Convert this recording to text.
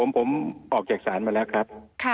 ผมออกจากศาลมาแล้วครับ